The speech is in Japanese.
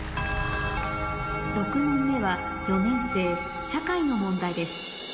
６問目は４年生社会の問題です